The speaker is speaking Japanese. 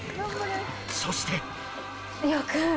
そして。